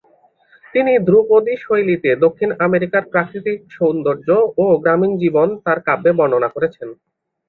তিনি ধ্রুপদী শৈলীতে দক্ষিণ আমেরিকার প্রাকৃতিক সৌন্দর্য ও গ্রামীণ জীবন তার কাব্যে বর্ণনা করেছেন।